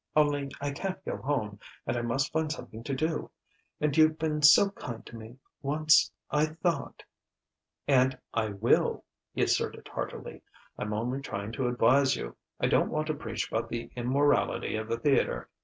Only, I can't go home, and I must find something to do, and you'd been so kind to me, once, I thought " "And I will!" he asserted heartily. "I'm only trying to advise you.... I don't want to preach about the immorality of the theatre.